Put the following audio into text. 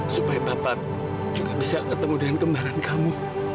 supaya papa juga bisa ketemu dengan kebenaran kamu